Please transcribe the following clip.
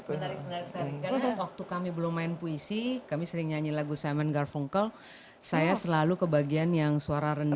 karena waktu kami belum main puisi kami sering nyanyi lagu simon garfunkel saya selalu ke bagian yang suara rendah